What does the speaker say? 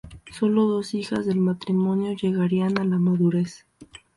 Sólo dos hijas del matrimonio llegarían a la madurez.